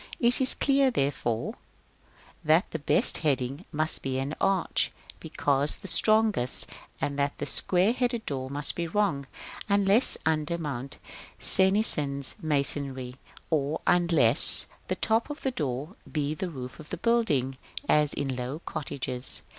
It is clear, therefore, that the best heading must be an arch, because the strongest, and that a square headed door must be wrong, unless under Mont Cenisian masonry; or else, unless the top of the door be the roof of the building, as in low cottages.